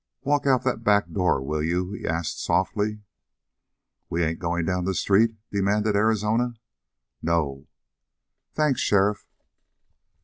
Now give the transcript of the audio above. "Walk out that back door, will you?" he asked softly. "We ain't going down the street?" demanded Arizona. "No." "Thanks, sheriff."